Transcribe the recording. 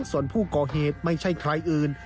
ส่วนผู้ก่อเหตุไม่ใช่ใครอื่น